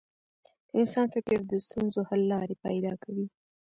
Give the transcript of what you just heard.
د انسان فکر د ستونزو حل لارې پیدا کوي.